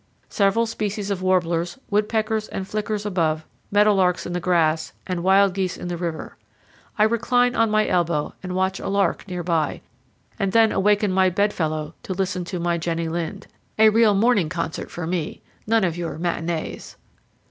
Several species of warblers, woodpeckers, and flickers above, meadow larks in the grass, and wild geese in the river. I recline on my elbow and watch a lark near by, and then awaken my bedfellow, to listen to my Jenny Lind. A real morning concert for me; none of your "matinées"!